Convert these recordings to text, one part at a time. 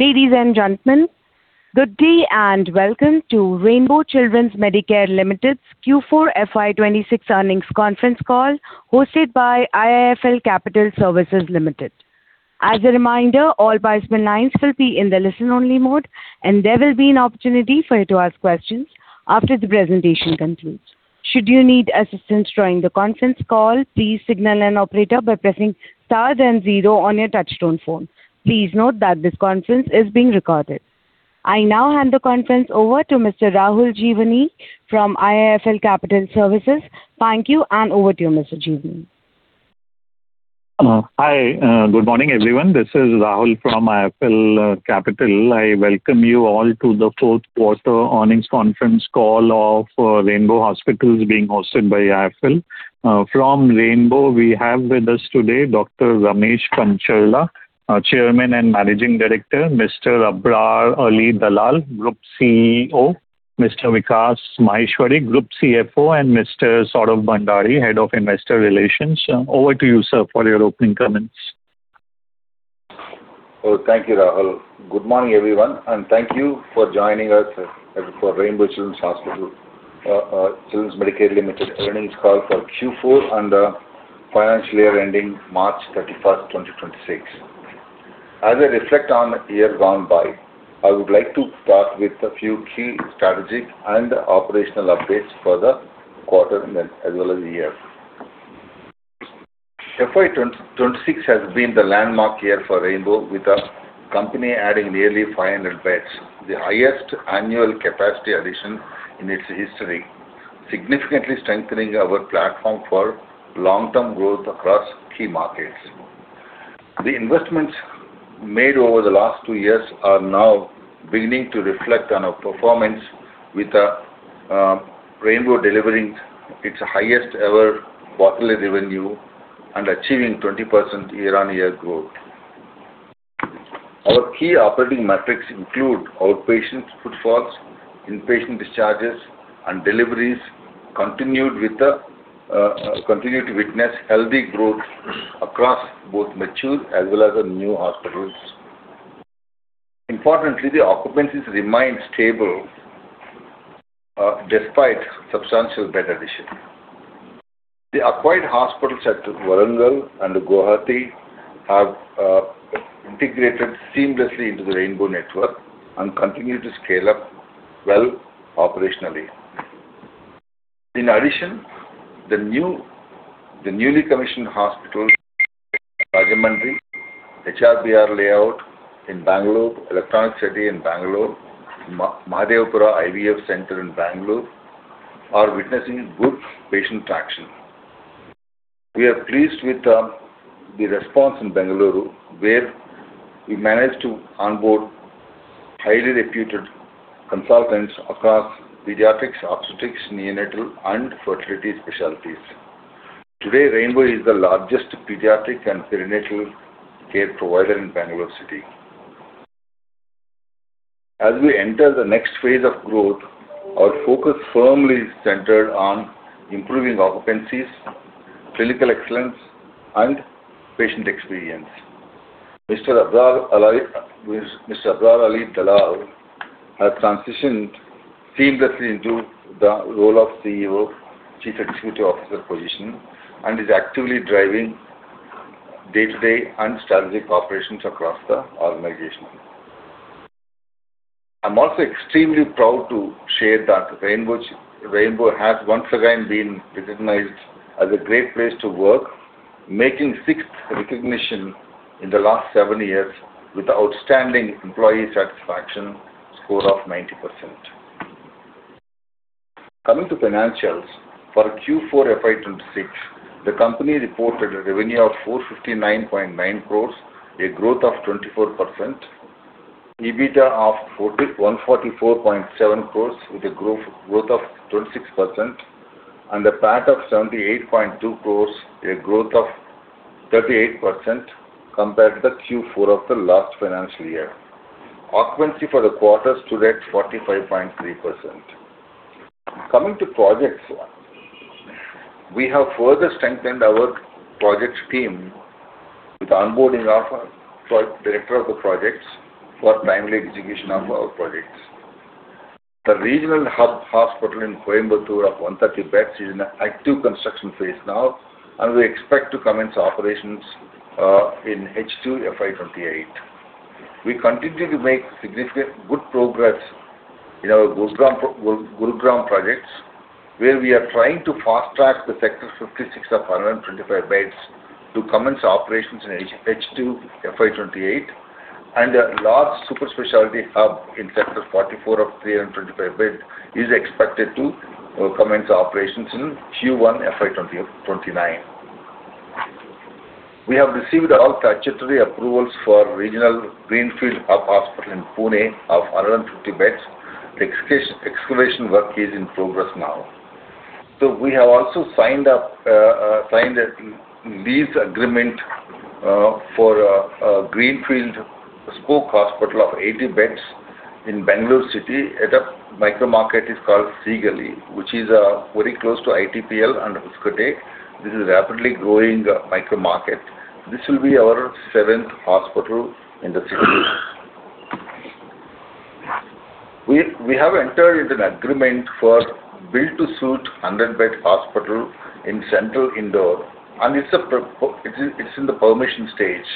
Ladies and gentlemen, good day and welcome to Rainbow Children's Medicare Limited's Q4 FY 2026 earnings conference call hosted by IIFL Capital Services Limited. As a reminder, all participant lines will be in the listen-only mode, and there will be an opportunity for you to ask questions after the presentation concludes. Should you need assistance during the conference call, please signal an operator by pressing star then zero on your touchtone phone. Please note that this conference is being recorded. I now hand the conference over to Mr. Rahul Jeewani from IIFL Capital Services. Thank you, and over to you, Mr. Jeewani. Hi. Good morning, everyone. This is Rahul from IIFL Capital. I welcome you all to the fourth quarter earnings conference call of Rainbow Hospitals being hosted by IIFL. From Rainbow, we have with us today Dr. Ramesh Kancharla, Chairman and Managing Director, Mr. Abrar Ali Dalal, Group CEO, Mr. Vikas Maheshwari, Group CFO, and Mr. Saurabh Bhandari, Head of Investor Relations. Over to you, sir, for your opening comments. Thank you, Rahul. Good morning, everyone, and thank you for joining us for Rainbow Children's Medicare Limited earnings call for Q4 and the financial year ending March 31st, 2026. As I reflect on the year gone by, I would like to start with a few key strategic and operational updates for the quarter as well as the year. FY 2026 has been the landmark year for Rainbow with the company adding nearly 500 beds, the highest annual capacity addition in its history, significantly strengthening our platform for long-term growth across key markets. The investments made over the last two years are now beginning to reflect on our performance with Rainbow delivering its highest-ever quarterly revenue and achieving 20% year-on-year growth. Our key operating metrics include outpatient footfalls, inpatient discharges, and deliveries continue to witness healthy growth across both mature as well as the new hospitals. Importantly, the occupancies remain stable despite substantial bed addition. The acquired hospitals at Warangal and Guwahati have integrated seamlessly into the Rainbow network and continue to scale up well operationally. In addition, the newly commissioned hospital at [Agaramri], HRBR Layout in Bangalore, Electronics City in Bangalore, and Mahadevpura IVF Center in Bangalore are witnessing good patient traction. We are pleased with the response in Bengaluru, where we managed to onboard highly reputed consultants across pediatrics, obstetrics, neonatal, and fertility specialties. Today, Rainbow is the largest pediatric and perinatal care provider in Bangalore City. As we enter the next phase of growth, our focus firmly is centered on improving occupancies, clinical excellence, and patient experience. Mr. Abrar Ali Dalal has transitioned seamlessly into the role of CEO, Chief Executive Officer position, and is actively driving day-to-day and strategic operations across the organization. I'm also extremely proud to share that Rainbow has once again been recognized as a great place to work, making sixth recognition in the last seven years with outstanding employee satisfaction score of 90%. Coming to financials, for Q4 FY 2026, the company reported a revenue of 459.9 crores, a growth of 24%, EBITDA of 144.7 crores with a growth of 26%, and a PAT of 78.2 crores, a growth of 38% compared to Q4 of the last financial year. Occupancy for the quarter stood at 45.3%. Coming to projects, we have further strengthened our projects team with onboarding of director of the projects for timely execution of our projects. The regional hub hospital in Coimbatore of 130 beds is in active construction phase now. We expect to commence operations in H2 FY 2028. We continue to make significant good progress in our Gurugram projects, where we are trying to fast track the Sector 56 of 125 beds to commence operations in H2 FY2028 and a large super specialty hub in Sector 44 of 325 beds is expected to commence operations in Q1 FY 2029. We have received all statutory approvals for regional greenfield hospital in Pune of 150 beds. Excavation work is in progress now. We have also signed a lease agreement for a greenfield spoke hospital of 80 beds in Bangalore city. A micro market is called Seegehalli, which is very close to ITPL and Hoskote. This is a rapidly growing micro market. This will be our seventh hospital in the city. We have entered into an agreement for build to suit 100-bed hospital in central Indore, and it is in the permission stage.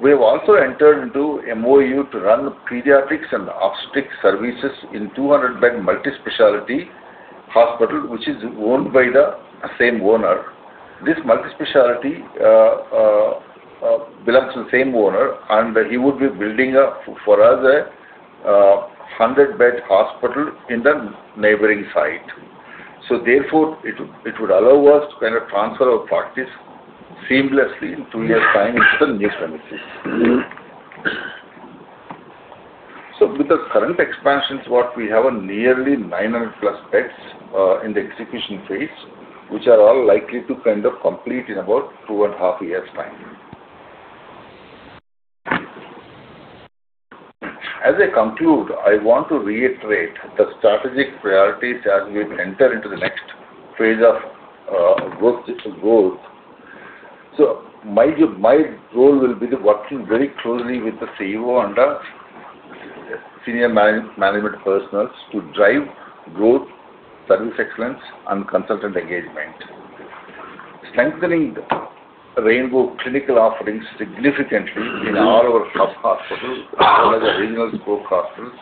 We have also entered into MOU to run pediatric and obstetric services in 200-bed multi-specialty hospital, which is owned by the same owner. This multi-specialty belongs to the same owner, and he would be building for us a 100-bed hospital in the neighboring site. Therefore, it would allow us to transfer our practice seamlessly into a time in the near future. With the current expansions what we have are nearly 900+ beds in the execution phase, which are all likely to complete in about 2.5 years' time. As I conclude, I want to reiterate the strategic priorities as we enter into the next phase of growth. My role will be working very closely with the CEO and senior management personnel to drive growth, service excellence, and consultant engagement. Strengthening Rainbow clinical offerings significantly in all our hub hospitals and other regional spoke hospitals,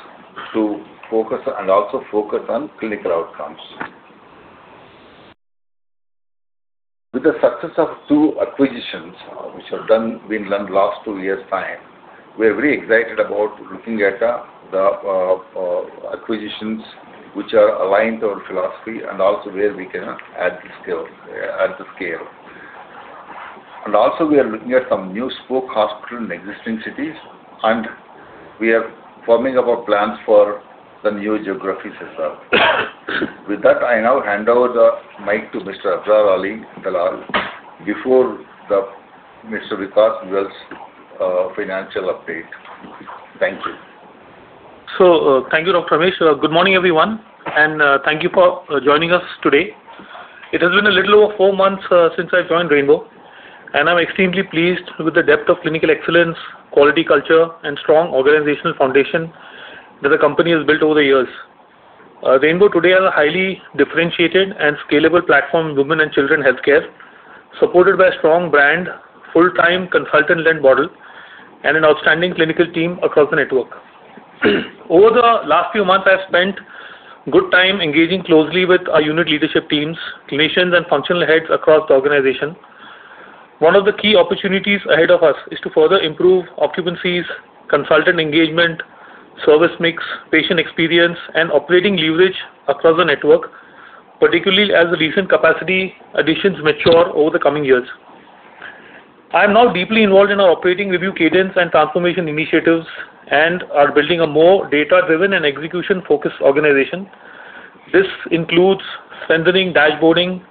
and also focus on clinical outcomes. With the success of two acquisitions, which have been done last two years' time, we are very excited about looking at the acquisitions which are aligned to our philosophy and also where we can add the scale. Also, we are looking at some new spoke hospital in existing cities, and we are forming our plans for the new geographies as well. With that, I now hand over the mic to Mr. Abrar Ali Dalal before Mr. Vikas Maheshwari's financial update. Thank you. Thank you, Dr. Ramesh. Good morning, everyone, and thank you for joining us today. It has been a little over four months since I joined Rainbow, and I'm extremely pleased with the depth of clinical excellence, quality culture, and strong organizational foundation that the company has built over the years. Rainbow today are a highly differentiated and scalable platform women and children healthcare, supported by strong brand, full-time consultant-led model, and an outstanding clinical team across the network. Over the last few months, I've spent good time engaging closely with our unit leadership teams, clinicians, and functional heads across the organization. One of the key opportunities ahead of us is to further improve occupancies, consultant engagement, service mix, patient experience, and operating leverage across the network, particularly as the recent capacity additions mature over the coming years. I am now deeply involved in our operating review cadence and transformation initiatives and are building a more data-driven and execution-focused organization. This includes strengthening dashboarding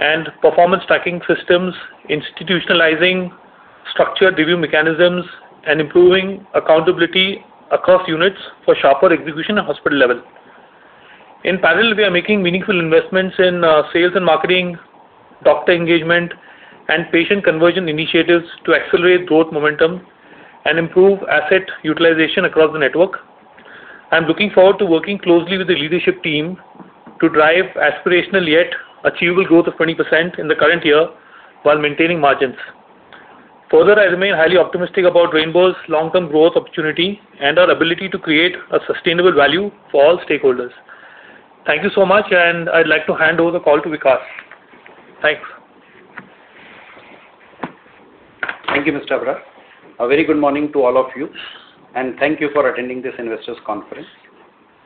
and performance tracking systems, institutionalizing structured review mechanisms, and improving accountability across units for sharper execution at hospital level. In parallel, we are making meaningful investments in sales and marketing, doctor engagement, and patient conversion initiatives to accelerate growth momentum and improve asset utilization across the network. I'm looking forward to working closely with the leadership team to drive aspirational yet achievable growth of 20% in the current year while maintaining margins. I remain highly optimistic about Rainbow's long-term growth opportunity and our ability to create a sustainable value for all stakeholders. Thank you so much, and I'd like to hand over the call to Vikas. Thanks. Thank you, Mr. Abrar. A very good morning to all of you, and thank you for attending this investors' conference.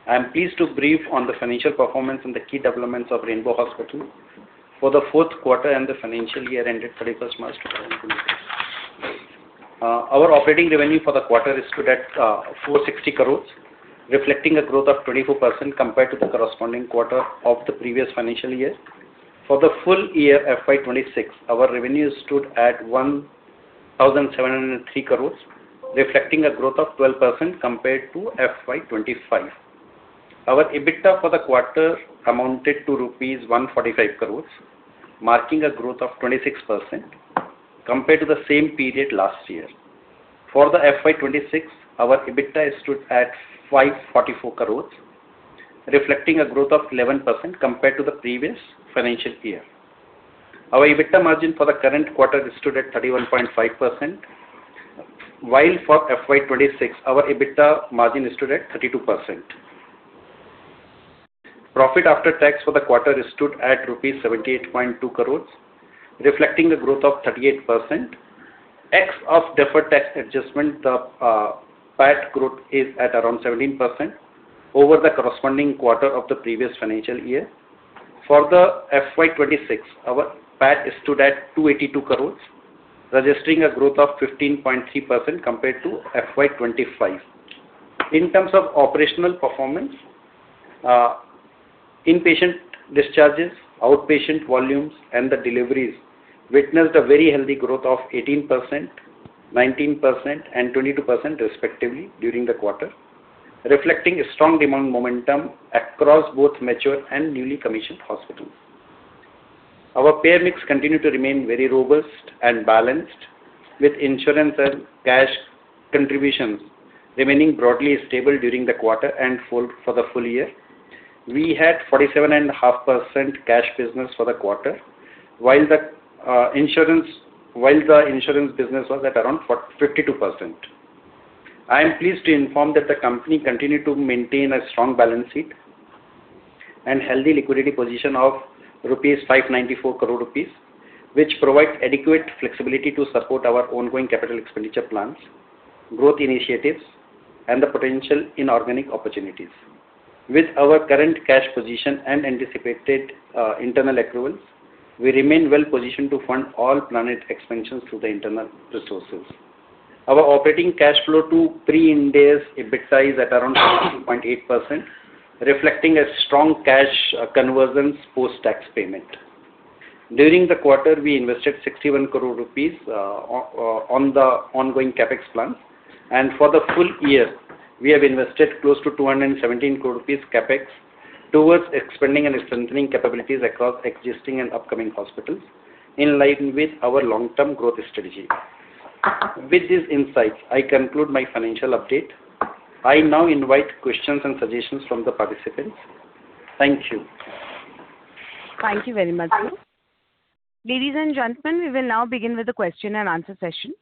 I am pleased to brief on the financial performance and the key developments of Rainbow Hospitals for the fourth quarter and the financial year ended 31st March 2023. Our operating revenue for the quarter stood at 460 crore, reflecting a growth of 24% compared to the corresponding quarter of the previous financial year. For the full year FY 2026, our revenue stood at 1,703 crore, reflecting a growth of 12% compared to FY 2025. Our EBITDA for the quarter amounted to rupees 145 crore, marking a growth of 26% compared to the same period last year. For the FY 2026, our EBITDA stood at 544 crore, reflecting a growth of 11% compared to the previous financial year. Our EBITDA margin for the current quarter stood at 31.5%, while for FY 2026, our EBITDA margin stood at 32%. Profit after tax for the quarter stood at 78.2 crores rupees, reflecting a growth of 38%. Ex of deferred tax adjustment, the PAT growth is at around 17% over the corresponding quarter of the previous financial year. For the FY 2026, our PAT stood at 282 crores, registering a growth of 15.3% compared to FY 2025. In terms of operational performance- Inpatient discharges, outpatient volumes, and the deliveries witnessed a very healthy growth of 18%, 19%, and 22% respectively during the quarter, reflecting a strong demand momentum across both mature and newly commissioned hospitals. Our payer mix continued to remain very robust and balanced, with insurance and cash contributions remaining broadly stable during the quarter and for the full year. We had 47.5% cash business for the quarter, while the insurance business was at around 52%. I am pleased to inform that the company continued to maintain a strong balance sheet and healthy liquidity position of 594 crore rupees, which provides adequate flexibility to support our ongoing capital expenditure plans, growth initiatives, and the potential inorganic opportunities. With our current cash position and anticipated internal accruals, we remain well-positioned to fund all planned expansions through the internal resources. Our operating cash flow to pre-Ind AS EBITDA is at around 40.8%, reflecting a strong cash conversion post-tax payment. During the quarter, we invested 61 crore rupees on the ongoing CapEx plans, and for the full year, we have invested close to 217 crore rupees CapEx towards expanding and strengthening capabilities across existing and upcoming hospitals in line with our long-term growth strategy. With these insights, I conclude my financial update. I now invite questions and suggestions from the participants. Thank you. Thank you very much. Ladies and gentlemen, we will now begin with the question-and-answer session.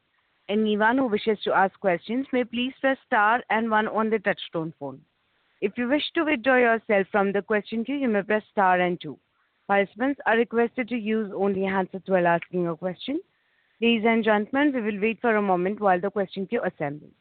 Anyone who wishes to ask questions may please press star and one on the touchtone phone. If you wish to withdraw yourself from the question queue, you may press star and two. Participants are requested to use only hands-free while asking your question. Ladies and gentlemen, we will wait for a moment while the question queue assembles.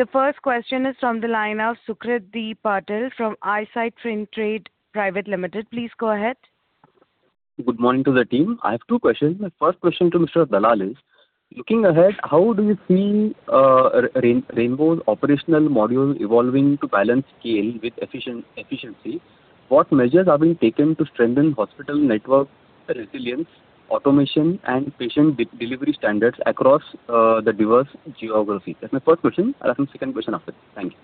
The first question is on the line of Sukrit D. Patel from ICICI FinTrade Private Limited. Please go ahead. Good morning to the team. I have two questions. My first question to Mr. Dalal is: Looking ahead, how do you see Rainbow's operational model evolving to balance scale with efficiency? What measures are being taken to strengthen hospital network resilience, automation, and patient delivery standards across the diverse geography? That's my first question. I have a second question after it. Thank you.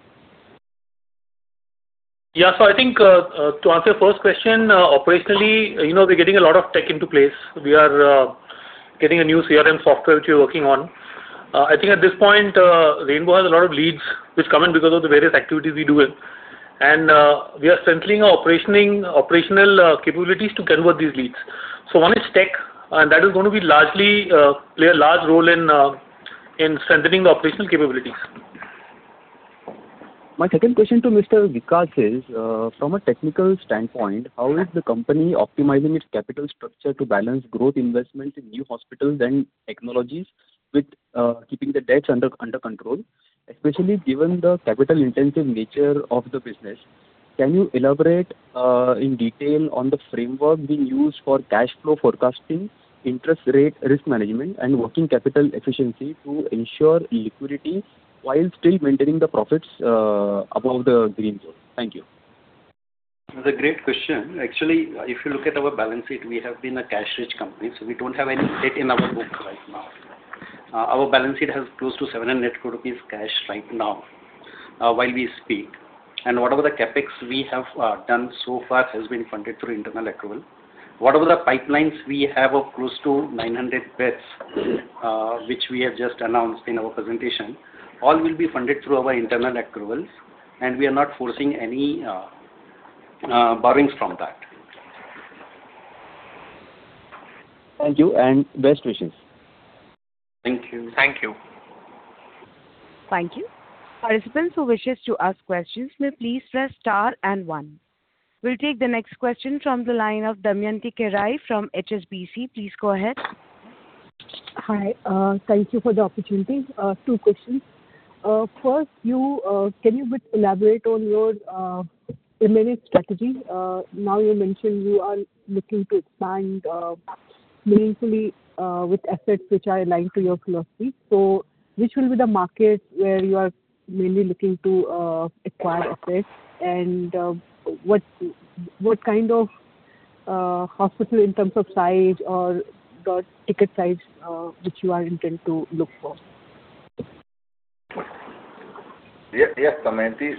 I think to answer your first question, operationally, we're getting a lot of tech into place. We are getting a new CRM software, which we're working on. I think at this point, Rainbow has a lot of leads which come in because of the various activities we deal with. We are centering our operational capabilities to convert these leads. One is tech, and that is going to play a large role in centering the operational capabilities. My second question to Mr. Vikas is from a technical standpoint, how is the company optimizing its capital structure to balance growth investment in new hospitals and technologies with keeping the debt under control, especially given the capital-intensive nature of the business? Can you elaborate in detail on the framework being used for cash flow forecasting, interest rate risk management, and working capital efficiency to ensure liquidity while still maintaining the profits above the green zone? Thank you. That's a great question. Actually, if you look at our balance sheet, we have been a cash-rich company, so we don't have any debt investments right now. Our balance sheet has close to 700 crore rupees cash right now while we speak. Whatever the CapEx we have done so far has been funded through internal accrual. Whatever the pipelines we have of close to 900 beds, which we have just announced in our presentation, all will be funded through our internal accruals, and we are not forcing any borrowings from that. Thank you, and best wishes. Thank you. Thank you. Participants who wish to ask questions may please press star and one. We'll take the next question from the line of Damayanti Kerai from HSBC. Please go ahead. Hi. Thank you for the opportunity. Two questions. First, can you elaborate on your M&A strategy? Now you mentioned you are looking to expand meaningfully with assets which are aligned to your philosophy. Which will be the market where you are mainly looking to acquire assets, and what kind of hospital in terms of size or ticket size which you are intent to look for? Yeah, Damayanti.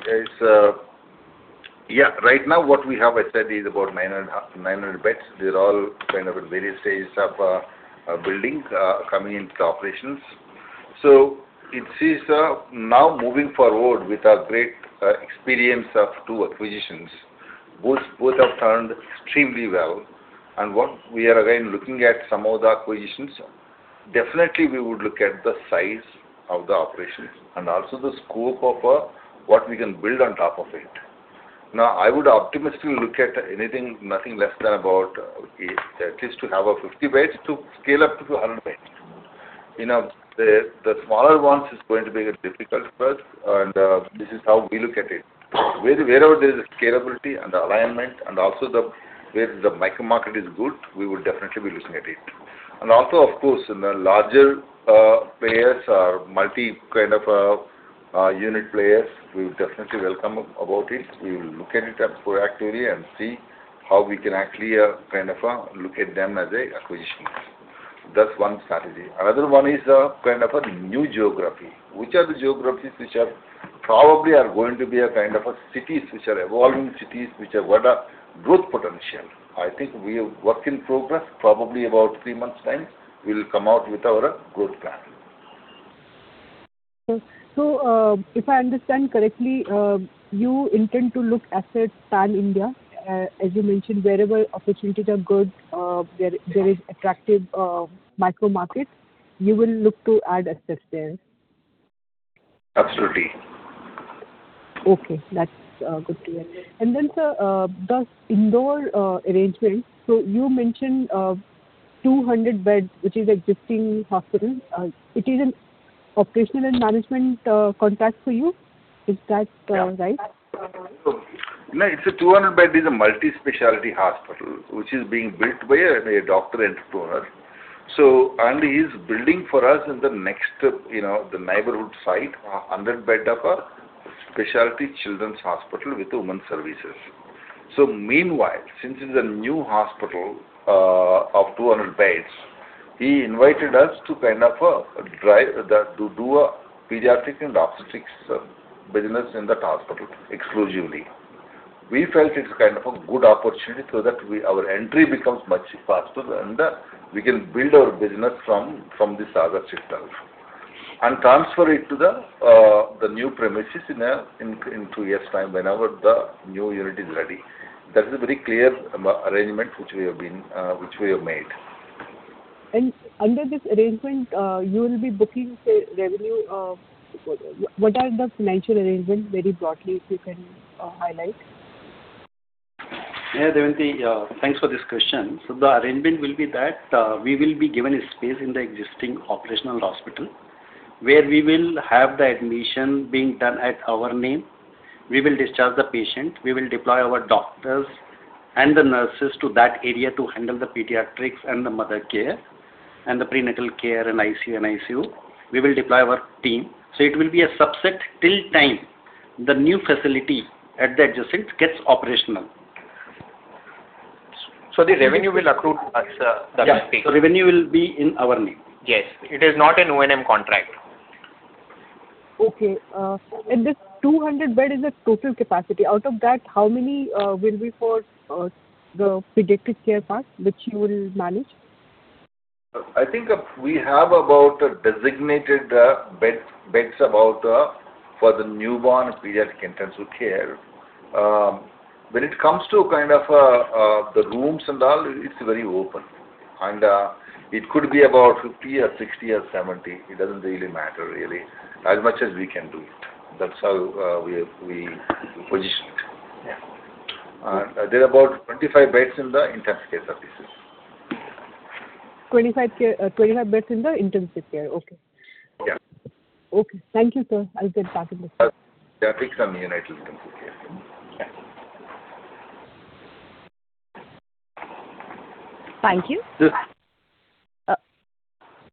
Right now, what we have as said is about 900 beds. They're all kind of various stages of building coming into operations. It is now moving forward with our great experience of two acquisitions. Both have turned extremely well. What we are again looking at some of the acquisitions, definitely we would look at the size of the operations and also the scope of what we can build on top of it. I would optimistically look at anything, nothing less than about at least to have a 50 beds to scale up to 100 beds. The smaller ones are going to be a difficult first, and this is how we look at it. Where there is scalability and alignment and also where the micro market is good, we would definitely be looking at it. Also, of course, larger players or multi unit players, we definitely welcome about it. We will look at it proactively and see how we can actually look at them as an acquisition. That's one strategy. Another one is a new geography. Which are the geographies which probably are going to be cities which are evolving cities, which have got a growth potential. I think work in progress, probably about three months time, we'll come out with our growth plan. If I understand correctly, you intend to look assets pan India. As you mentioned, wherever opportunities are good where there is attractive micro markets, you will look to add assets there. Absolutely. Okay. That's good to hear. Sir, the Indore arrangement, so you mentioned 200 beds, which is existing hospital. It is an operational and management contract for you. Is that right? No, it's a 200-bed is a multi-specialty hospital, which is being built by a doctor entrepreneur. He's building for us in the next neighborhood site, 100-bed of a specialty children's hospital with women services. Meanwhile, since it's a new hospital of 200 beds, he invited us to do a pediatric and obstetric service business in that hospital exclusively. We felt it's a good opportunity so that our entry becomes much faster, and we can build our business from this [Acreage] itself and transfer it to the new premises in two years' time whenever the new unit is ready. That is very clear arrangement which we have made. Under this arrangement, you will be booking revenue. What are those financial arrangements, very broadly, if you can highlight? Yeah, Damayanti, thanks for this question. The arrangement will be that we will be given a space in the existing operational hospital where we will have the admission being done at our name. We will discharge the patient. We will deploy our doctors and the nurses to that area to handle the pediatrics and the mother care and the prenatal care and ICU. We will deploy our team. It will be a subset till time the new facility at the adjacent gets operational. The revenue will accrue to Anna Nagar? Yes. Revenue will be in our name. Yes. It is not an OM contract. Okay. In this 200 bed is the total capacity. Out of that, how many will be for the pediatric care part which you will manage? I think we have about a designated beds about for the newborn pediatric intensive care. When it comes to the rooms and all, it's very open and it could be about 50 or 60 or 70 beds. It doesn't really matter, really. As much as we can do. That's how we position it. Yeah. There are about 25 beds in the intensive care services. 25 beds in the intensive care. Okay. Yeah. Okay. Thank you, sir. Yeah. Thanks, Damayanti. Thank you. Yes.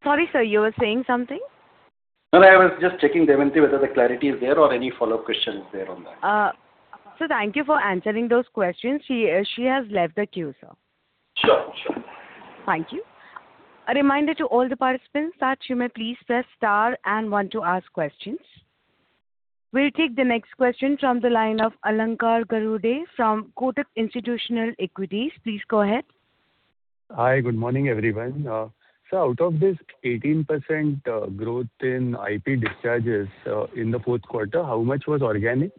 Sorry, sir, you were saying something? No, I was just checking, Damayanti Kerai, whether the clarity is there or any follow-up questions there on that. Sir, thank you for answering those questions. She has left the queue, sir. Sure. Thank you. A reminder to all the participants that you may please press star and one to ask questions. We'll take the next question from the line of Alankar Garude from Kotak Institutional Equities. Please go ahead. Hi. Good morning, everyone. Sir, out of this 18% growth in IP discharges in the fourth quarter, how much was organic?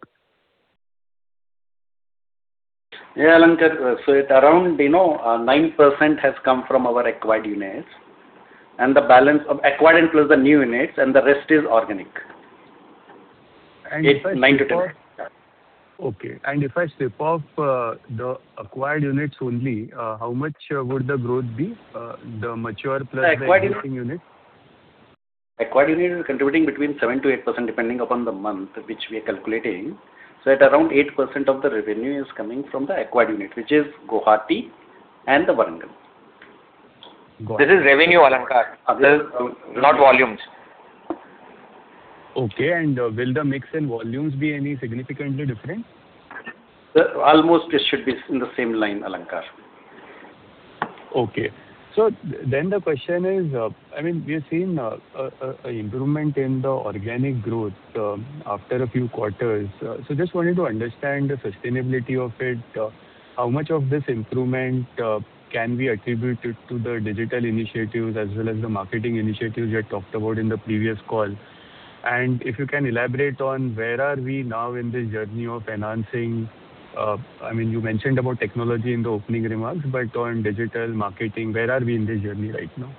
Yeah, Alankar. Around 9% has come from our acquired units, acquired includes the new units, and the rest is organic. It's 9%-10%. Okay. If I strip off the acquired units only, how much would the growth be, the mature plus the existing units? Acquired units contributing between 7%-8%, depending upon the month which we are calculating. At around 8% of the revenue is coming from the acquired unit, which is Guwahati and the Warangal. This is revenue, Alankar, not volumes. Okay. Will the mix and volumes be any significantly different? Sir, almost it should be in the same line, Alankar. The question is, we have seen an improvement in the organic growth after a few quarters. Just wanted to understand the sustainability of it. How much of this improvement can be attributed to the digital initiatives as well as the marketing initiatives you had talked about in the previous call? If you can elaborate on where are we now in this journey of enhancing, you mentioned about technology in the opening remarks, but on digital marketing, where are we in the journey right now?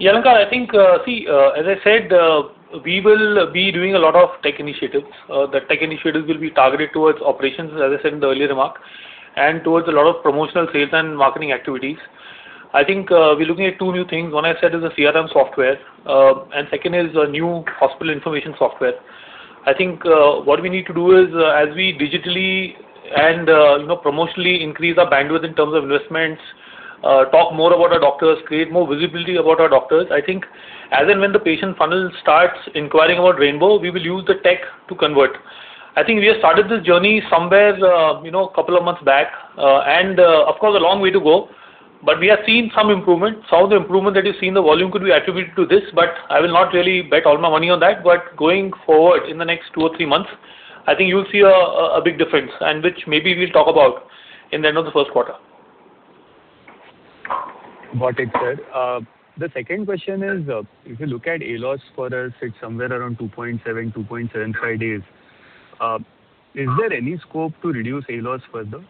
Alankar, I think, as I said, we will be doing a lot of tech initiatives. The tech initiatives will be targeted towards operations, as I said in the earlier remark, and towards a lot of promotional sales and marketing activities. I think we're looking at two new things. One I said is the CRM software, and second is a new hospital information software. I think what we need to do is as we digitally and promotionally increase our bandwidth in terms of investments, talk more about our doctors, create more visibility about our doctors. I think as and when the patient funnel starts inquiring about Rainbow, we will use the tech to convert. I think we have started this journey somewhere a couple of months back, and of course, a long way to go, but we are seeing some improvement. Some of the improvement that we see in the volume could be attributed to this, but I will not really bet all my money on that. Going forward in the next two or three months, I think you'll see a big difference, and which maybe we'll talk about in the end of the first quarter. Got it, sir. The second question is, if you look at ALOS for us, it's somewhere around 2.7, 2.75 days. Is there any scope to reduce ALOS further?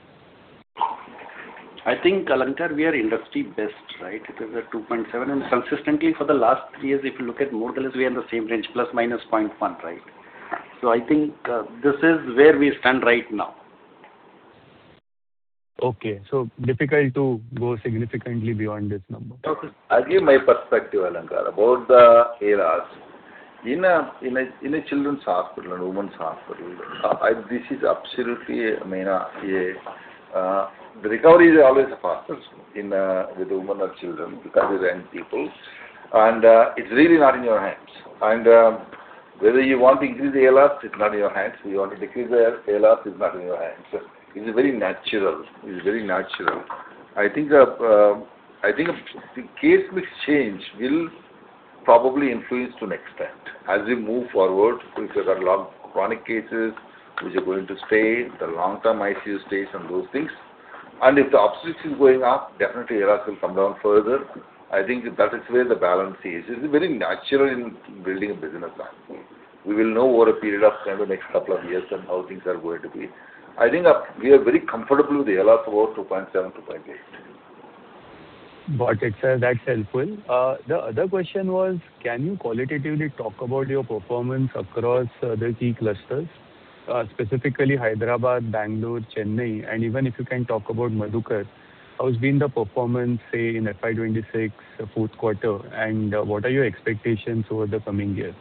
I think, Alankar, we are industry best, right, because at 2.7, and consistently for the last three years, if you look at quarters, we are in the same range, ± 0.1. I think this is where we stand right now. Okay. Difficult to go significantly beyond this number. I'll give my perspective, Alankar, about the ALOS. In a children's hospital, in women's hospital, the recovery is always faster with women or children because they're young people, and it's really not in your hands. Whether you want to increase ALOS, it's not in your hands. You want to decrease their ALOS, it's not in your hands. It's very natural. I think the case mix change will probably influence to an extent as we move forward because there are lot of chronic cases which are going to stay, the long-term ICU stays and those things. If the obstetrics is going up, definitely ALOS will come down further. I think that is where the balance is. It's very natural in building a business that way. We will know over a period of kind of next couple of years on how things are going to be. I think we are very comfortable with ALOS of 2.7, 2.8. Got it, sir. That's helpful. The other question was, can you qualitatively talk about your performance across the key clusters, specifically Hyderabad, Bangalore, Chennai, and even if you can talk about Madhukar. How's been the performance, say, in FY 2026 fourth quarter? What are your expectations over the coming year?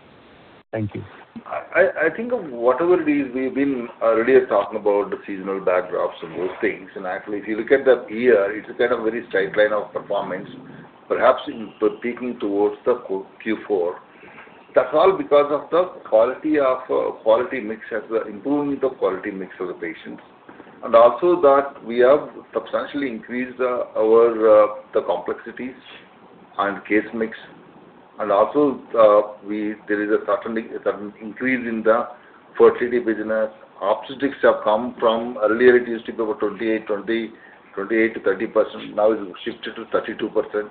Thank you. I think of whatever we've been already talking about the seasonal backdrops and those things, and actually if you look at the year, it's kind of very straight line of performance. Perhaps if we're peaking towards the Q4, that's all because of the quality mix as we're improving the quality mix of the patients. Also that we have substantially increased our complexities and case mix, and also there is a certain increase in the fertility business. Obstetrics have come from earlier it used to be about 28% to 30%. Now it has shifted to 32%.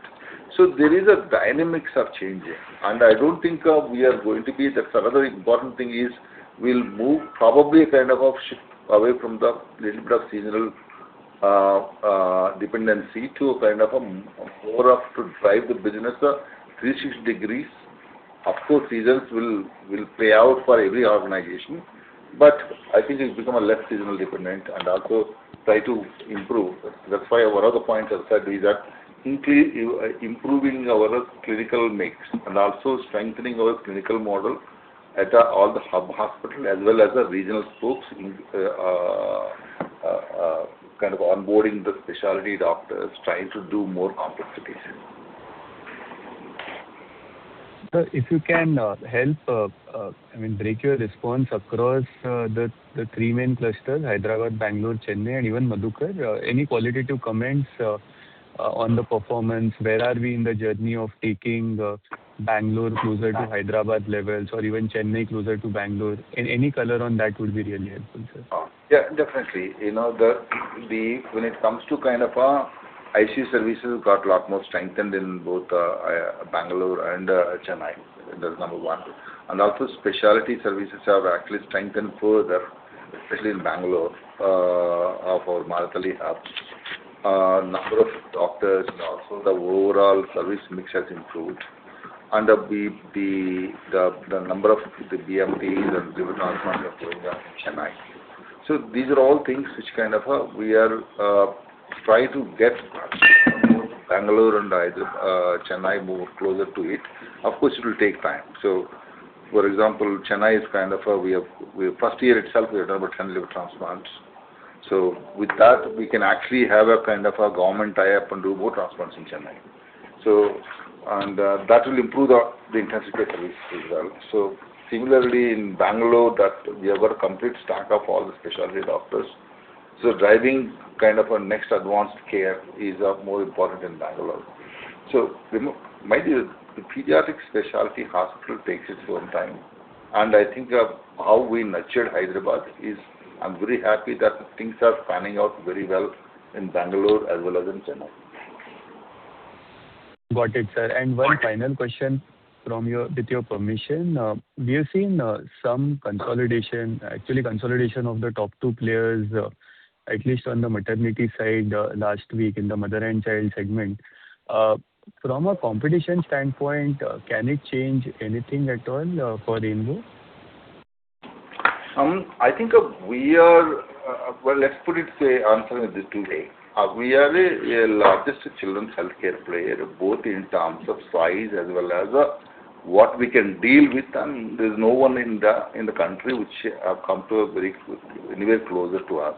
There is a dynamics are changing. The other important thing is we'll move probably kind of shift away from the little bit of seasonal dependency to a kind of a more of to drive the business 360 degrees. Of course, seasons will play out for every organization, but I think it's become a less seasonal dependent and also try to improve. That's why one of the points I said is that improving our clinical mix and also strengthening our clinical model at all the hub hospital as well as the regional spokes, kind of onboarding the specialty doctors, trying to do more complex cases. Sir, if you can help break your response across the three main clusters, Hyderabad, Bangalore, Chennai, and even Madhukar. Any qualitative comments on the performance? Where are we in the journey of taking Bangalore closer to Hyderabad levels or even Chennai closer to Bangalore? Any color on that would be really helpful, sir. Definitely. When it comes to ICU services got a lot more strengthened in both Bangalore and Chennai. That's number one. Also speciality services have actually strengthened further, especially in Bangalore, our Marathahalli hub. Number of doctors and also the overall service mix has improved and the number of BMTs, the liver transplants going on in Chennai. These are all things which we are trying to get Bangalore and Chennai more closer to it. Of course, it will take time. For example, Chennai is kind of a. We have first year itself we had number of transplants. With that, we can actually have a kind of a government tie-up and do more transplants in Chennai. That will improve the intensity rates as well. Similarly in Bangalore, we have a complete stack of all the speciality doctors. Driving kind of a next advanced care is more important in Bangalore. Mind you, the pediatric specialty hospital takes its own time, and I think how we nurtured Hyderabad is I'm very happy that things are panning out very well in Bangalore as well as in Chennai. Got it, sir. One final question with your permission. We have seen some consolidation, actually consolidation of the top two players, at least on the maternity side last week in the mother and child segment. From a competition standpoint, can it change anything at all for Rainbow? I think we are. Well, let's put it this way. We are the largest children's healthcare player, both in terms of size as well as what we can deal with, and there's no one in the country which have come anywhere close to us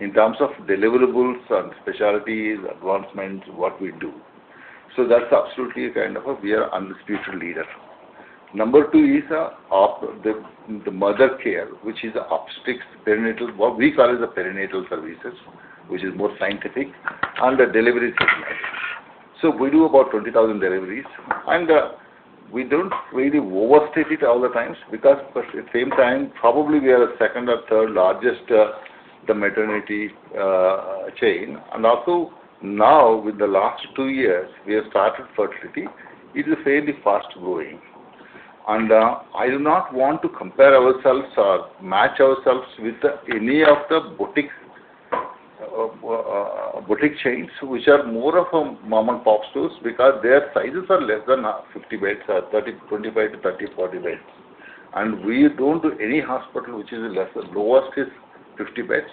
in terms of deliverables and specialties, advancements, what we do. That's absolutely it. We are undisputed leader. Number two is the mother care, which is the obstetrics perinatal, what we call the perinatal services, which is more scientific, and the delivery specialized. We do about 20,000 deliveries, and we don't really overstate it all the time because at the same time, probably we are the second or third largest maternity chain. Also, now in the last two years, we have started fertility. It is fairly fast-growing. I do not want to compare ourselves or match ourselves with any of the boutique chains, which are more of a mom-and-pop stores because their sizes are less than 50 beds, or 25 to 30, 40 beds. We don't do any hospital which is less. The lowest is 50 beds.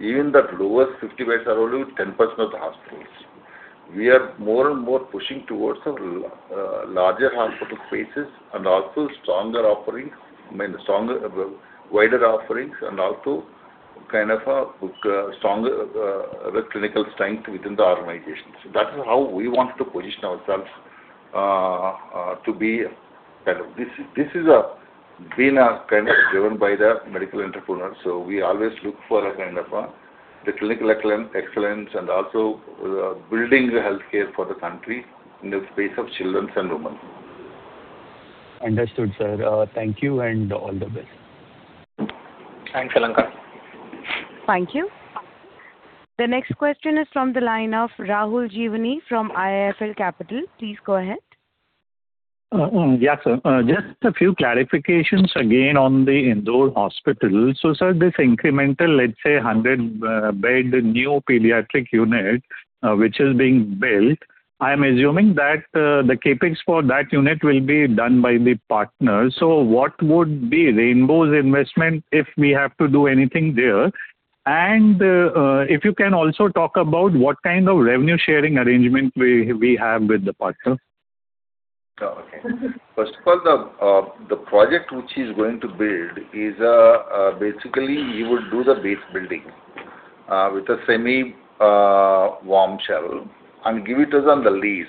Even the lowest 50 beds are only 10% of the hospitals. We are more and more pushing towards larger hospital spaces and also stronger offerings, wider offerings, and also stronger clinical strength within the organizations. That is how we want to position ourselves to be. This is being driven by the medical entrepreneurs, so we always look for the clinical excellence and also building the healthcare for the country in the space of children and women. Understood, sir. Thank you, and all the best. Thanks, Alankar. Thank you. The next question is from the line of Rahul Jeewani from IIFL Capital. Please go ahead. Yeah, sir. Just a few clarifications again on the Indore hospital. Sir, this incremental, let's say 100-bed new pediatric unit which is being built, I am assuming that the CapEx for that unit will be done by the partners. What would be Rainbow's investment if we have to do anything there? If you can also talk about what kind of revenue sharing arrangement we have with the partner. Okay. First of all, the project which he's going to build is basically he would do the base building with a semi warm shell and give it to us on the lease.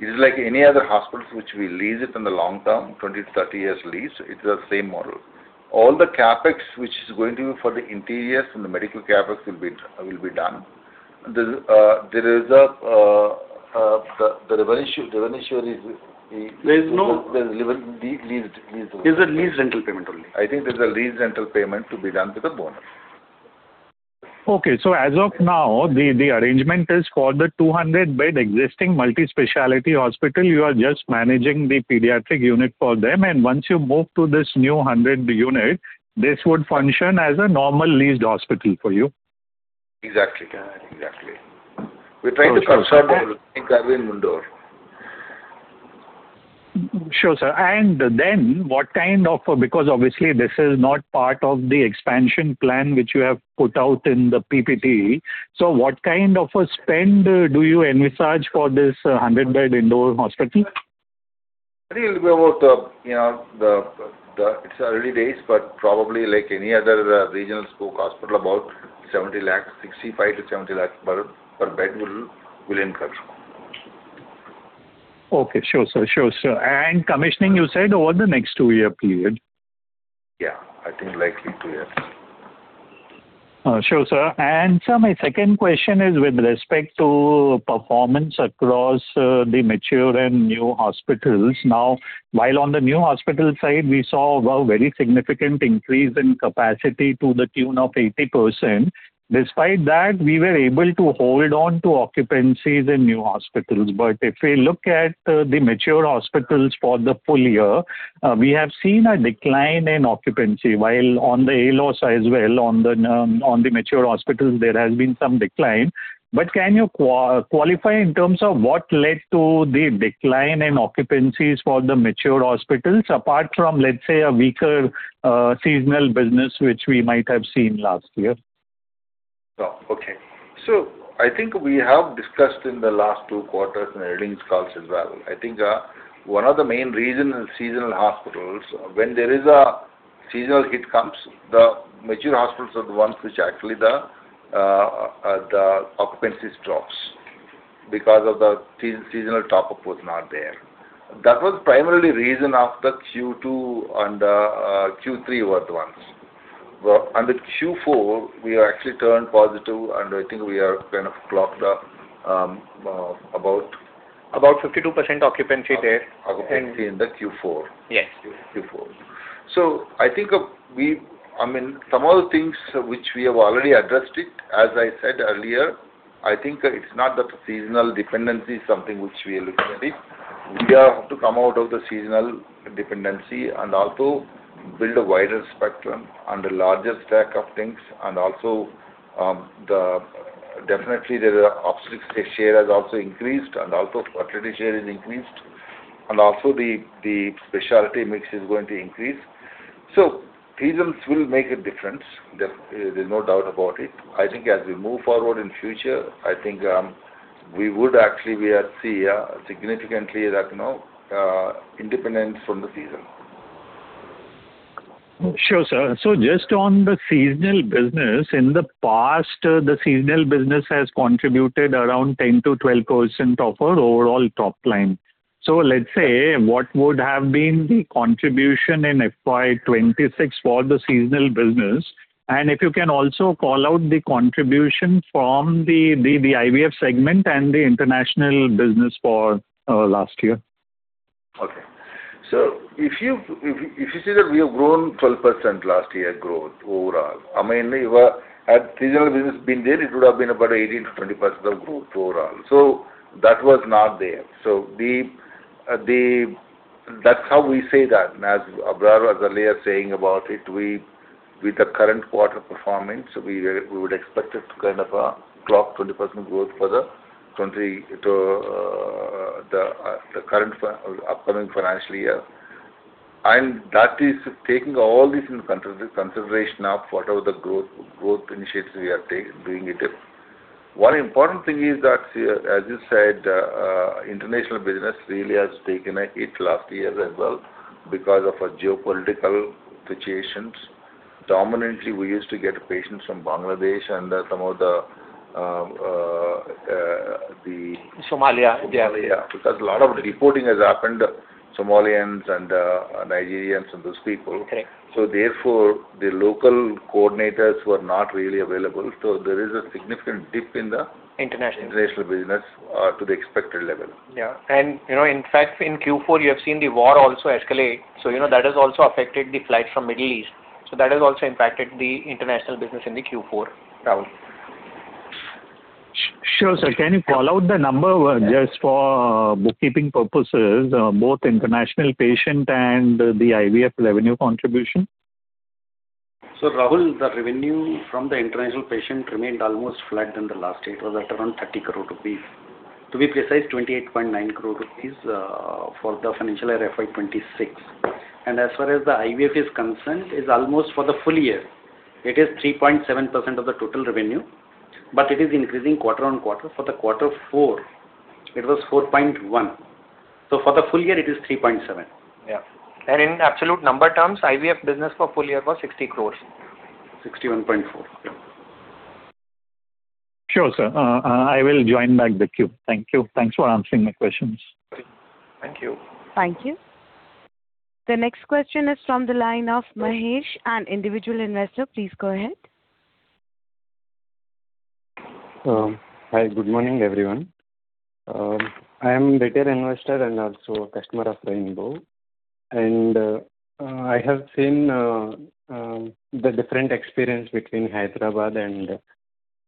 It is like any other hospitals which we lease it in the long term, 20-30 years lease. It's the same model. All the CapEx which is going to be for the interiors and the medical CapEx will be done. The revenue share is. There is no- The lease. Is a lease rental payment only. I think there's a lease rental payment to be done with a bonus. As of now, the arrangement is for the 200-bed existing multi-specialty hospital. You are just managing the pediatric unit for them, and once you move to this new 100-unit, this would function as a normal leased hospital for you. Exactly. We're trying to confirm that with Indore. Sure, sir. Because obviously this is not part of the expansion plan which you have put out in the PPT. What kind of a spend do you envisage for this 100-bed Indore hospital? It's early days, but probably like any other regional spoke hospital, about 65 lakhs-70 lakhs per bed will incur. Okay, sure, sir. Commissioning, you said, over the next two-year period. Yeah. I think likely two years. Sure, sir. Sir, my second question is with respect to performance across the mature and new hospitals. While on the new hospital side, we saw a very significant increase in capacity to the tune of 80%. Despite that, we were able to hold on to occupancies in new hospitals. If we look at the mature hospitals for the full year, we have seen a decline in occupancy, while on the ALOS as well on the mature hospitals, there has been some decline. Can you qualify in terms of what led to the decline in occupancies for the mature hospitals, apart from, let's say, a weaker seasonal business, which we might have seen last year? I think we have discussed in the last two quarters in earnings calls as well. I think one of the main reasons is seasonal hospitals. When there is a seasonal hit comes, the mature hospitals are the ones which actually the occupancy drops because of the seasonal top-up was not there. That was primarily reason of the Q2 and Q3 were the ones. With Q4, we are actually turned positive, and I think we are clocked about- About 52% occupancy there. occupancy in the Q4. Yes. Q4. I think some of the things which we have already addressed it, as I said earlier, I think it's not that the seasonal dependency is something which we are looking at it. We have to come out of the seasonal dependency and also build a wider spectrum and a larger stack of things. Also, definitely the obstetrics share has also increased, and also fertility share is increased. Also, the specialty mix is going to increase. Seasons will make a difference, there's no doubt about it. I think as we move forward in future, I think we would actually see a significant independence from the season. Sure, sir. Just on the seasonal business, in the past, the seasonal business has contributed around 10%-12% of our overall top line. Let's say, what would have been the contribution in FY 2026 for the seasonal business? If you can also call out the contribution from the IVF segment and the international business for last year. Okay. If you see that we have grown 12% last year, growth overall. Had seasonal business been there, it would have been about 18%-20% growth overall. That was not there. That's how we say that. As Abrar was earlier saying about it, with the current quarter performance, we would expect it to clock 20% growth for the upcoming financial year. That is taking all these into consideration of whatever the growth initiatives we are doing it. One important thing is that, as you said, international business really has taken a hit last year as well because of geopolitical situations. Dominantly, we used to get patients from Bangladesh and some of the- Somalia. Yeah. Yeah. A lot of deporting has happened, Somalians and Nigerians and those people. Okay. Therefore, the local coordinators were not really available. There is a significant dip. International international business to the expected level. Yeah. In fact, in Q4, you have seen the war also escalate. That has also affected the flight from Middle East. That has also impacted the international business in the Q4, Rahul. Sure. Can you call out the number just for bookkeeping purposes, both international patient and the IVF revenue contribution? Rahul, the revenue from the international patient remained almost flat than the last year. It was at around 30 crore rupees. To be precise, 28.9 crore rupees for the financial year FY 2026. As far as the IVF is concerned, it's almost for the full year. It is 3.7% of the total revenue, but it is increasing quarter-on-quarter. For the quarter four, it was 4.1%. For the full year it is 3.7%. Yeah. In absolute number terms, IVF business for full year was 60 crores. 61.4. Yeah. Sure, sir. I will join back the queue. Thank you. Thanks for answering my questions. Thank you. Thank you. The next question is from the line of Mahesh, an individual investor. Please go ahead. Hi, good morning, everyone. I'm a return investor and also a customer of Rainbow, and I have seen the different experience between Hyderabad and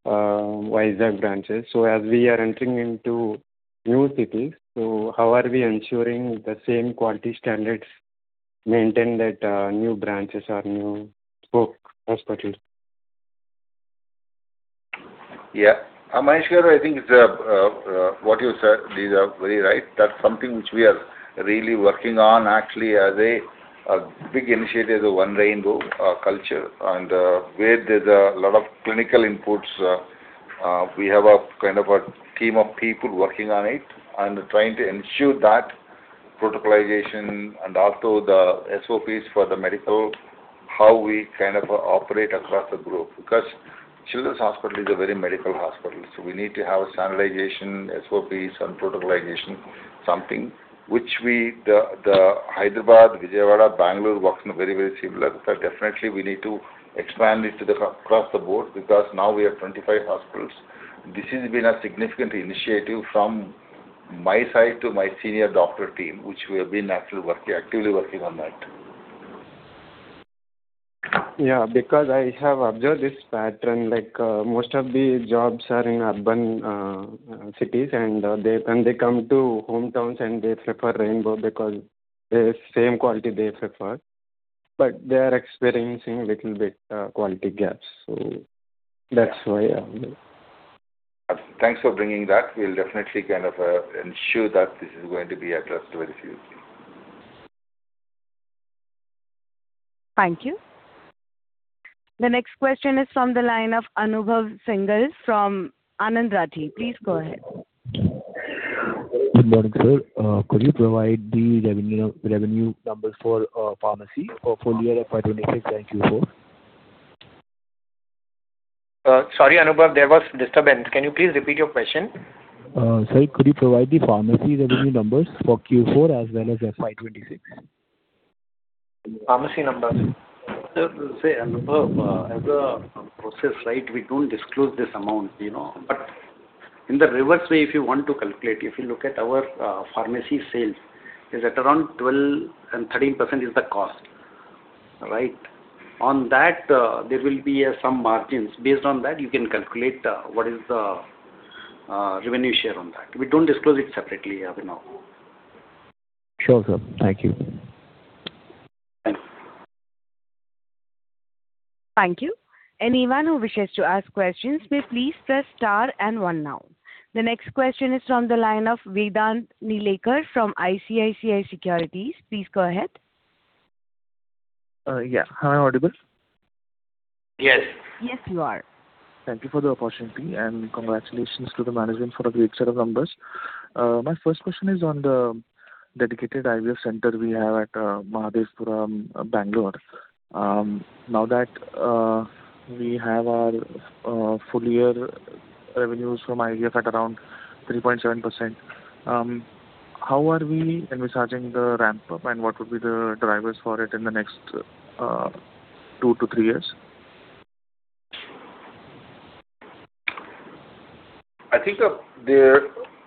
Vizag branches. As we are entering into new cities, so how are we ensuring the same quality standards maintained at new branches or new spoke hospitals? Yeah. Mahesh, I think what you said is very right. That's something which we are really working on. Actually, as a big initiative, the One Rainbow culture and where there's a lot of clinical inputs. We have a team of people working on it and trying to ensure that protocolization and also the SOPs for the medical, how we operate across the group. Children's hospital is a very medical hospital. We need to have a standardization, SOPs, and protocolization, something which we, the Hyderabad, Vijayawada, Bangalore working very similar. Definitely we need to expand it across the board because now we have 25 hospitals. This has been a significant initiative from my side to my senior doctor team, which we have been actively working on that. Yeah, because I have observed this pattern, like most of the jobs are in urban cities, and they come to hometowns and they prefer Rainbow because same quality they prefer. They are experiencing little bit quality gaps. That's why. Yeah. Thanks for bringing that. We'll definitely ensure that this is going to be addressed very soon. Thank you. The next question is from the line of Anubhav Singhal from Anand Rathi. Please go ahead. Good morning, sir. Could you provide the revenue numbers for pharmacy for full year of FY 2025-2026 and Q4? Sorry, Anubhav, there was disturbance. Can you please repeat your question? Sir, could you provide the pharmacy revenue numbers for Q4 as well as FY 2026? Pharmacy numbers. As a process, right, we don't disclose this amount. In the reverse way, if you want to calculate, if you look at our pharmacy sales, is at around 12% and 13% is the cost. Right. On that, there will be some margins. Based on that, you can calculate what is the revenue share on that. We don't disclose it separately. Sure, sir. Thank you. Thank you. Anyone who wishes to ask questions may please press star and one now. The next question is from the line of Vedant Nilekar from ICICI Securities. Please go ahead. Yeah. Am I audible? Yes. Yes, you are. Thank you for the opportunity and congratulations to the management for the excellent numbers. My first question is on the dedicated IVF center we have at Mahadevpura, Bangalore. Now that we have our full year revenues from IVF at around 3.7%, how are we charting the ramp-up and what would be the drivers for it in the next two-three years? I think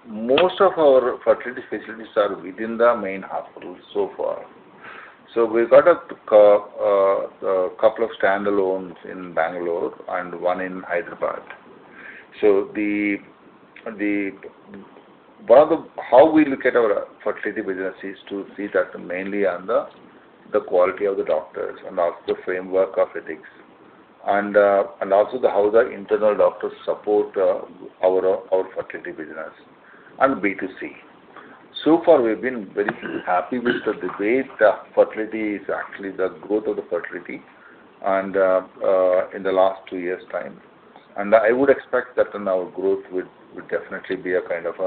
most of our fertility facilities are within the main hospitals so far. We've got two standalones in Bangalore and one in Hyderabad. How we look at our fertility business is to see that mainly under the quality of the doctors and also the framework of ethics, and also how the internal doctors support our fertility business and B2C. So far, we've been very happy with the debate that fertility is actually the growth of the fertility and in the last two years' time. I would expect that our growth would definitely be a 25%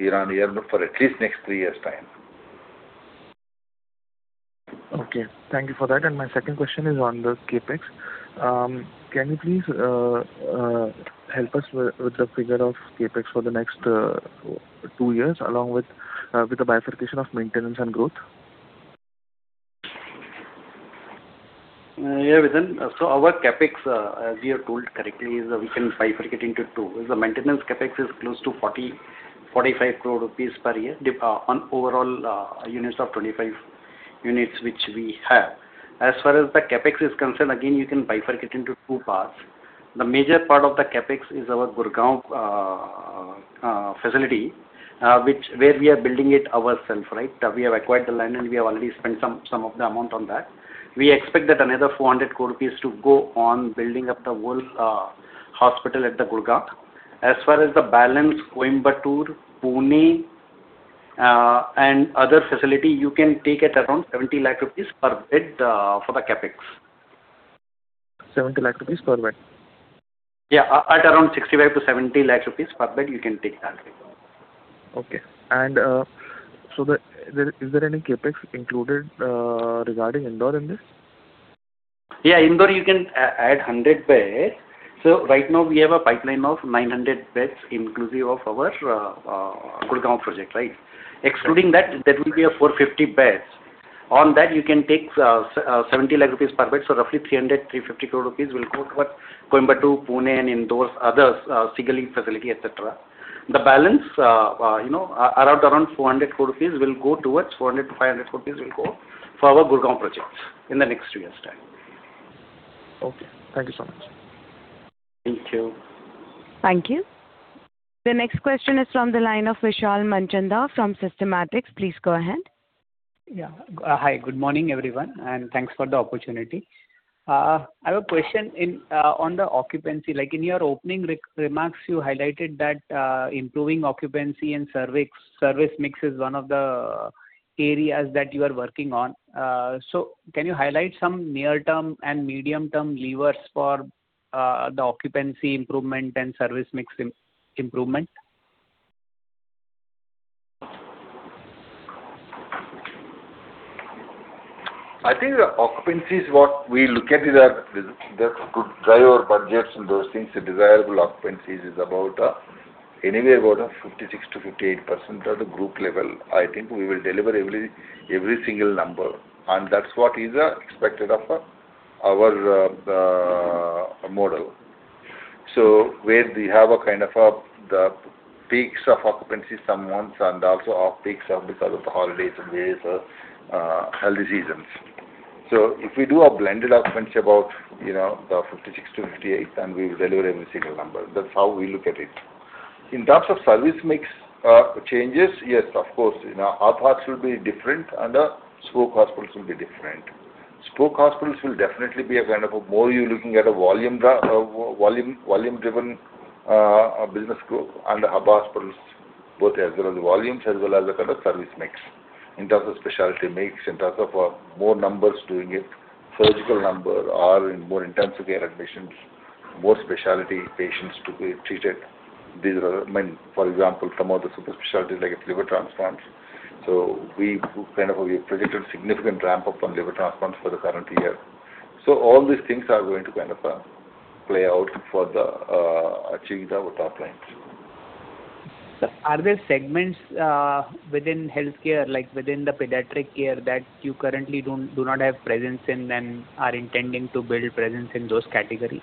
year-over-year for at least next three years' time. Okay. Thank you for that. My second question is on the CapEx. Can you please help us with the figure of CapEx for the next two years, along with the bifurcation of maintenance and growth? Vedant, our CapEx, as you have told correctly, is we can bifurcate into two. The maintenance CapEx is close to 45 crore rupees per year on overall units of 25 units, which we have. As far as the CapEx is concerned, again, you can bifurcate into two parts. The major part of the CapEx is our Gurgaon facility, where we are building it ourself. We have acquired the land, and we have already spent some of the amount on that. We expect that another 400 crore rupees to go on building up the whole hospital at Gurgaon. As far as the balance Coimbatore, Pune, and other facility, you can take it around 70 lakhs rupees per bed for the CapEx. 70 lakhs rupees per bed. Yeah, at around 65 lakhs-70 lakhs rupees per bed, you can take that. Okay. Is there any CapEx included regarding Indore in this? Indore you can add 100 beds. Right now we have a pipeline of 900 beds inclusive of our Gurgaon project. Excluding that, there will be a 450 beds. On that you can take 70 lakhs rupees per bed, so roughly 300 crore-350 crore rupees will go towards Coimbatore, Pune, and Indore, other Seegehalli facility, et cetera. The balance around 400 crore-500 crore rupees will go for our Gurgaon projects in the next three years' time. Okay. Thank you so much. Thank you. Thank you. The next question is from the line of Vishal Manchanda from Systematix. Please go ahead. Yeah. Hi, good morning, everyone, and thanks for the opportunity. I have a question on the occupancy. In your opening remarks, you highlighted that improving occupancy and service mix is one of the areas that you are working on. Can you highlight some near-term and medium-term levers for the occupancy improvement and service mix improvement? I think the occupancies, what we look at is that to drive our budgets and those things, the desirable occupancies is anyway about a 56%-58% at a group level. I think we will deliver every single number. That's what is expected of our model. Where we have a kind of the peaks of occupancy some months and also off-peaks because of holidays and various holiday seasons. If we do a blended occupancy about 56%-58%, and we deliver every single number, that's how we look at it. In terms of service mix changes, yes, of course our parts will be different and scope hospitals will be different. Scope hospitals will definitely be more you're looking at a volume-driven business group and our hospitals both as well as volumes as well as a kind of service mix. In terms of specialty mix, in terms of more numbers doing it, surgical number or in more intensive care admissions, more specialty patients to be treated. For example, some of the super specialties like liver transplants. We predicted significant ramp-up on liver transplants for the current year. All these things are going to play out for the achievement with our clients. Are there segments within healthcare, like within the pediatric care that you currently do not have presence in and are intending to build presence in those categories?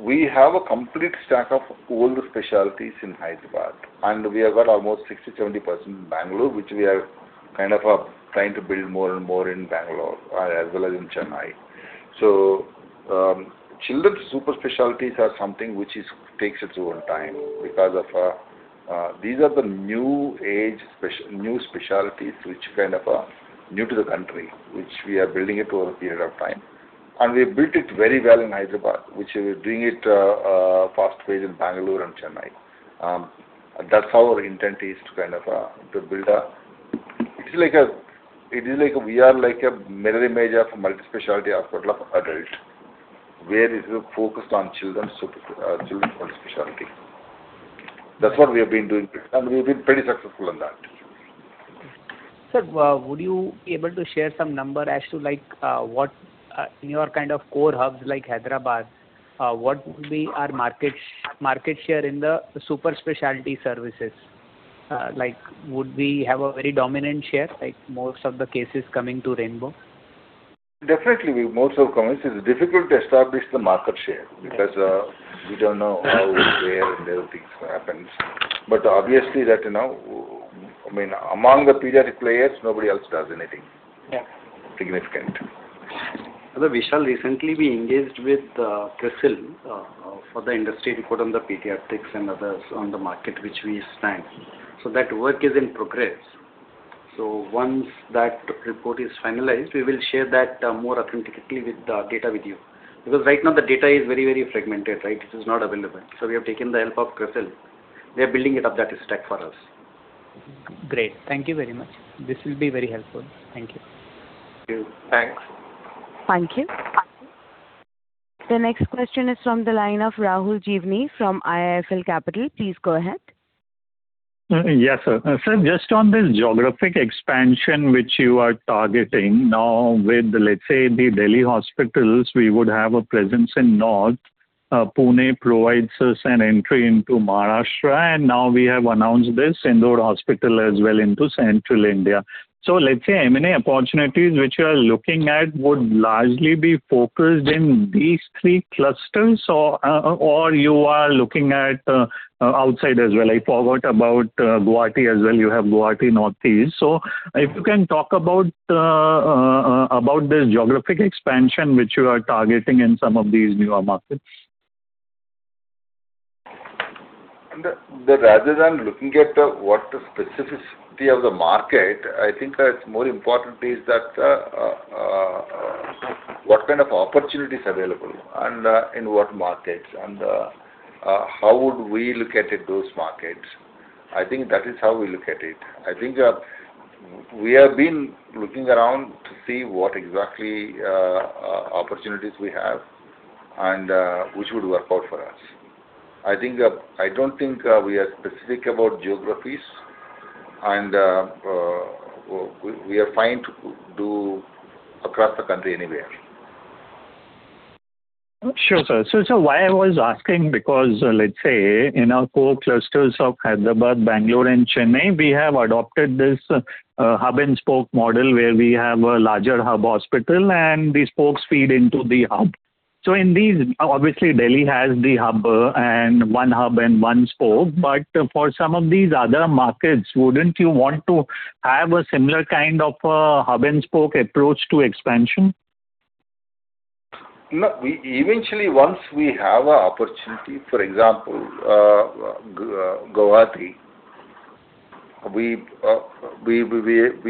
We have a complete stack of all the specialties in Hyderabad, and we have got almost 60%-70% in Bangalore, which we are trying to build more and more in Bangalore as well as in Chennai. Children's super specialties are something which takes its own time because these are the new-age specialties, which are kind of new to the country, which we are building over a period of time. We built it very well in Hyderabad, which we bring it fast-paced in Bangalore and Chennai. That's how our intent is to build up. It is like we are a mirror image of multispecialty hospital of adult, where it is focused on children's specialty. That's what we have been doing, and we've been pretty successful in that. Sir, would you able to share some number as to what in your core hubs like Hyderabad, what would be our market share in the super specialty services? Would we have a very dominant share, like most of the cases coming to Rainbow? Definitely most of coming. It's difficult to establish the market share because we don't know how, where, and when things happens. Obviously that now, among the pediatric players, nobody else does anything significant. Although we shall recently be engaged with CRISIL for the industry report on the pediatrics and others on the market which we stand. That work is in progress. Once that report is finalized, we will share that more authentically with the data with you. Right now the data is very fragmented. It is not available. We have taken the help of CRISIL. They're building it up, that stack for us. Great. Thank you very much. This will be very helpful. Thank you. Thank you. Bye. Thank you. The next question is from the line of Rahul Jeewani from IIFL Capital. Please go ahead. Yes, sir. Just on this geographic expansion which you are targeting now with, let's say the Delhi hospitals, we would have a presence in North. Pune provides us an entry into Maharashtra. Now we have announced this Indore hospital as well into Central India. Let's say how many opportunities which you are looking at would largely be focused in these three clusters or you are looking at outside as well? I forgot about Guwahati as well. You have Guwahati, Northeast. If you can talk about the geographic expansion which you are targeting in some of these newer markets. Rather than looking at what the specificity of the market, I think that's more important is that what kind of opportunities available and in what markets, and how would we look at those markets. I think that is how we look at it. I think we have been looking around to see what exactly opportunities we have and which would work out for us. I don't think we are specific about geographies, and we are fine to do across the country anywhere. Sure, sir. Why I was asking because, let's say in our core clusters of Hyderabad, Bangalore, and Chennai, we have adopted this hub-and-spoke model where we have a larger hub hospital and the spokes feed into the hub. In these, obviously Delhi has the hub and one hub and one spoke, but for some of these other markets, wouldn't you want to have a similar kind of a hub-and-spoke approach to expansion? No. Eventually, once we have an opportunity, for example, Guwahati, we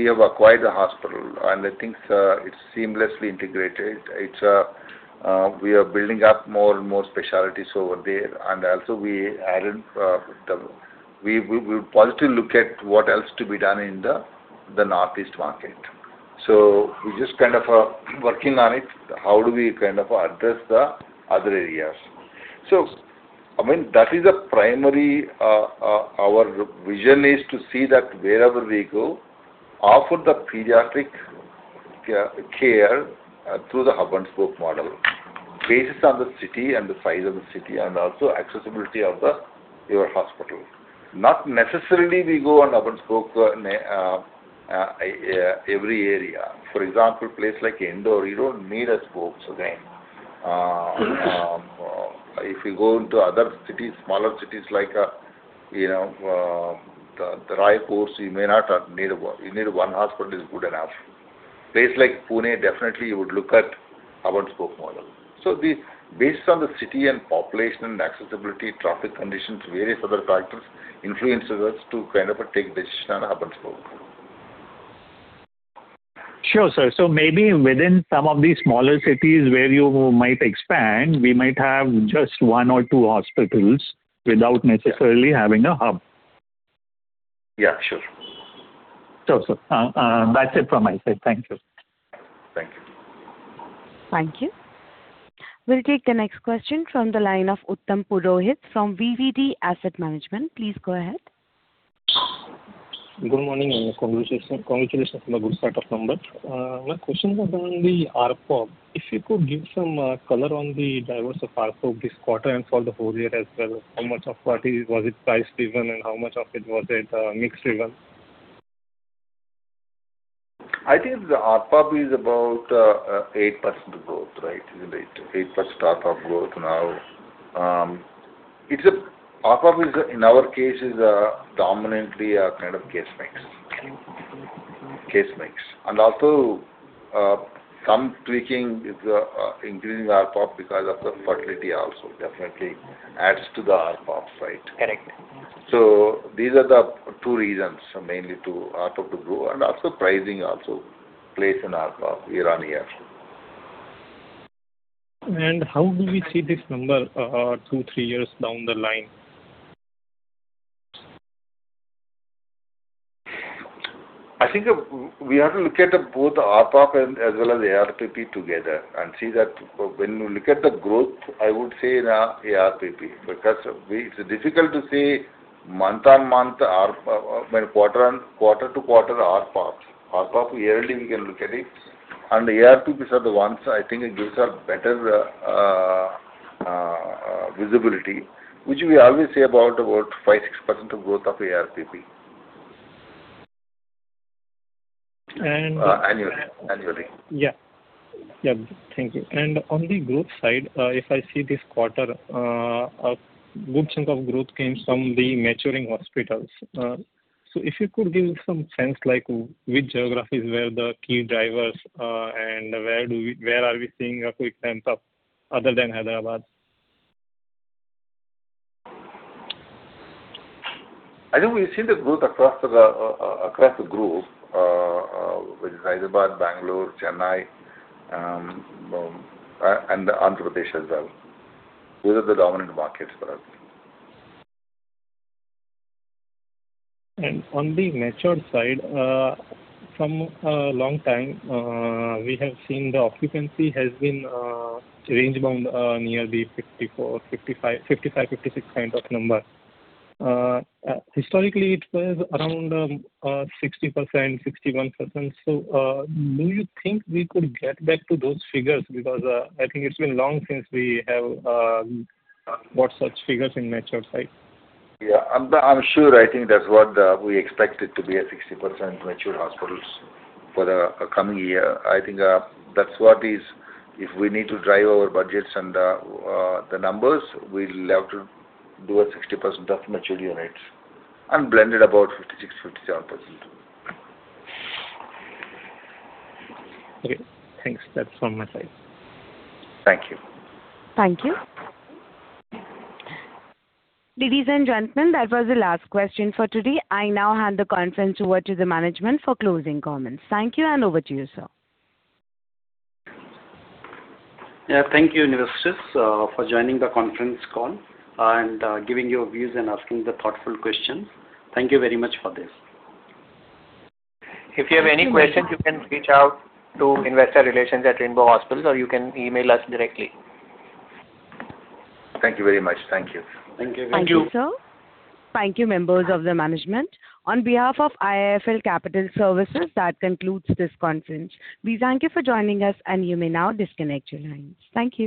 have acquired a hospital, and I think it is seamlessly integrated. We are building up more and more specialties over there, and also we will possibly look at what else to be done in the Northeast market. We are just kind of working on it, how do we address the other areas. Our vision is to see that wherever we go, offer the pediatric care through the hub-and-spoke model based on the city and the size of the city, and also accessibility of your hospital. Not necessarily we go on hub-and-spoke every area. For example, place like Indore, you don't need a spoke. If you go into other cities, smaller cities like the Raipur, you may not need a one. You need one hospital is good enough. Place like Pune, definitely you would look at hub-and-spoke model. Based on the city and population and accessibility, traffic conditions, various other factors influence us to take decision on hub-and-spoke. Sure, sir. Maybe within some of these smaller cities where you might expand, we might have just one or two hospitals without necessarily having a hub. Yeah, sure. Sure, sir. That's it from my side. Thank you. Thank you. Thank you. We will take the next question from the line of Uttam Purohit from VDB Asset Management. Please go ahead. Good morning. Congratulations on a good set of numbers. My question was on the ARPB. If you could give some color on the drivers of ARPB this quarter and for the whole year as well, how much of that was it price driven and how much of it was it mix driven? I think the ARPB is about 8% growth. Isn't it 8% ARPB growth now? ARPOB in our case is dominantly a kind of case mix. Case mix. Also some tweaking is increasing ARPOB because of the fertility also definitely adds to the ARPOB. Correct. These are the two reasons, mainly two ARPOB to grow and also pricing also plays an ARPOB year-on-year. How do we see this number two-three years down the line? I think we have to look at both ARPOB as well as ARRP together and see that when you look at the growth, I would say ARRP, because it's difficult to say quarter to quarter ARPOB. ARPOB yearly we can look at it, and ARRPs are the ones, I think gives a better visibility, which we always say about 5%, 6% of growth of ARRP. And- Annually. Yeah. Thank you. On the growth side, if I see this quarter, a good chunk of growth came from the maturing hospitals. If you could give some sense like which geographies were the key drivers and where are we seeing a quick ramp-up other than Hyderabad? I think we've seen the growth across the group, which is Hyderabad, Bangalore, Chennai, and Andhra Pradesh as well. Those are the dominant markets for us. On the matured side, for a long time, we have seen the occupancy has been range bound near the 54%, 55%, 56% kind of number. Historically, it was around 60%, 61%. Do you think we could get back to those figures? I think it's been long since we have got such figures in mature side. Yeah, I'm sure. I think that's what we expect it to be at 60% mature hospitals for the coming year. I think that's what is if we need to drive our budgets and the numbers, we'll have to do a 60% of mature units and blended about 56%, 57%. Okay, thanks. That's all my time. Thank you. Thank you. Ladies and gentlemen, that was the last question for today. I now hand the conference over to the management for closing comments. Thank you and over to you, sir. Thank you, analysts, for joining the conference call and giving your views and asking the thoughtful questions. Thank you very much for this. If you have any questions, you can reach out to Investor Relations at Rainbow Hospitals, or you can email us directly. Thank you very much. Thank you. Thank you. Thank you, sir. Thank you, members of the management. On behalf of IIFL Capital Services, that concludes this conference. We thank you for joining us, and you may now disconnect your lines. Thank you.